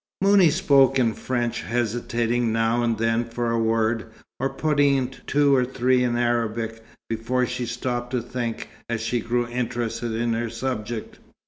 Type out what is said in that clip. Mouni spoke in French, hesitating now and then for a word, or putting in two or three in Arabic, before she stopped to think, as she grew interested in her subject.